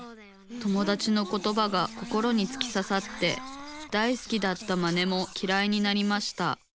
友だちのことばが心につきささって大好きだったマネもきらいになりました。